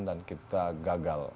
dan kita gagal